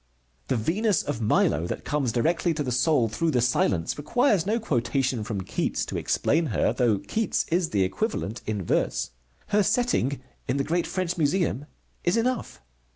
The Venus of Milo, that comes directly to the soul through the silence, requires no quotation from Keats to explain her, though Keats is the equivalent in verse. Her setting in the great French Museum is enough.